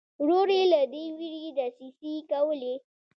ورور یې له دې وېرې دسیسې کولې.